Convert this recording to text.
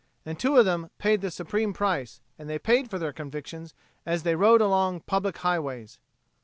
And two of them paid the supreme price, and they paid for their convictions as they rode along public highways.